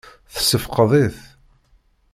Tessefqed-it?